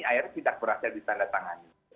akhirnya tidak berhasil ditandatangani